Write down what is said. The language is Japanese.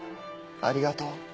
ありがとう。